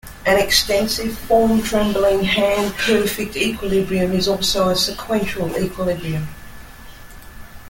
An extensive-form trembling hand perfect equilibrium is also a sequential equilibrium.